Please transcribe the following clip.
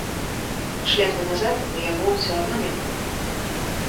Шляху назад у яго ўсё адно няма.